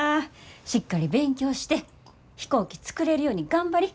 しっかり勉強して飛行機作れるように頑張り。